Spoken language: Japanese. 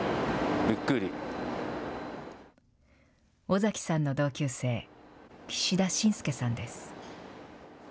尾崎さんの同級生、岸田真介さんです。